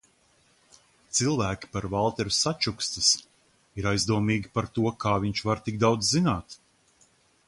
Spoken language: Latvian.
Cilvēki par Valteru sačukstas, ir aizdomīgi par to, kā viņš var tik daudz zināt.